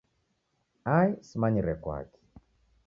Ai Simanyire kwaki.